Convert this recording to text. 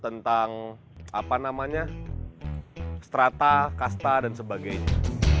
tentang apa namanya strata kasta dan sebagainya